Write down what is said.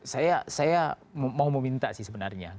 saya mau meminta sih sebenarnya